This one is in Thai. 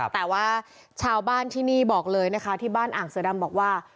แต่ว่าชาวบ้านที่นี่บอกเลยนะคะที่บ้านอ่างเสือดำบอกว่า